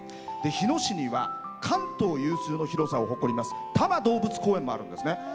日野市には関東有数の広さを誇ります多摩動物公園もあります。